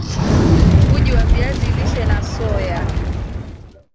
Uji wa viazi lishe na soya